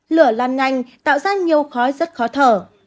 lửa lan nhanh tạo ra nhiều khói rất khó thở